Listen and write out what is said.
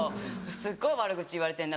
すっごい悪口言われてんな